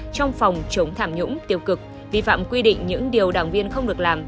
trong phòng chống tham nhũng tiêu cực vi phạm quy định những điều đảng viên không được làm